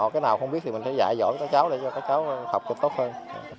cái nào không biết thì mình sẽ dạy dõi cho các cháu để cho các cháu học tốt hơn